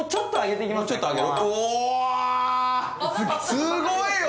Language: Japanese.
すごいよ！